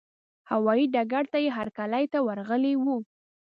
هوايي ډګر ته یې هرکلي ته ورغلي وو.